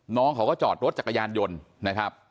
น้องเขาก็จอดรถจักรยานยนต์นะครับ